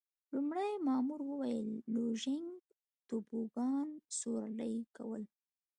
لومړي مامور وویل: لوژینګ، توبوګان سورلي کول.